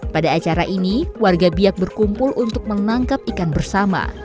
pada acara ini warga biak berkumpul untuk menangkap ikan bersama